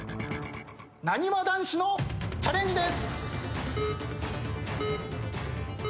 なにわ男子のチャレンジです。